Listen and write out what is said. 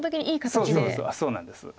そうなんです。